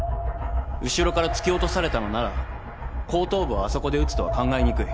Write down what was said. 後ろから突き落とされたのなら後頭部をあそこで打つとは考えにくい。